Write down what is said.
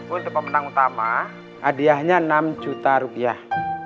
untuk pemenang utama hadiahnya enam juta rupiah